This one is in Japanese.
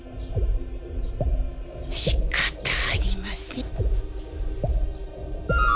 仕方ありません。